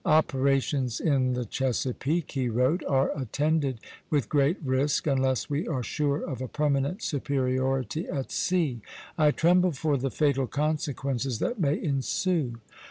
"Operations in the Chesapeake," he wrote, "are attended with great risk unless we are sure of a permanent superiority at sea. I tremble for the fatal consequences that may ensue."